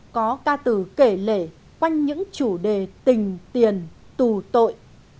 có ca từ kể lễ quanh những chủ đề tình tiền tù tội